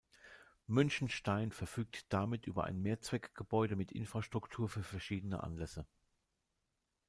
Münchenstein verfügt damit über ein Mehrzweckgebäude mit Infrastruktur für verschiedene Anlässe.